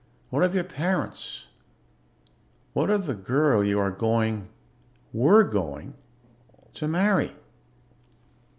What of your parents? What of the girl you are going were going to marry?